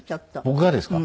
僕がですか？